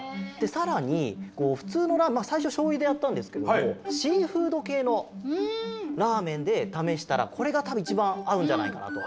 さらにふつうのさいしょしょうゆでやったんですけどもシーフードけいのラーメンでためしたらこれがたぶんいちばんあうんじゃないかなと。